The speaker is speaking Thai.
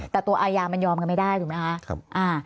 แต่ตัวอายามันยอมกันไม่ได้ถูกไหมคะ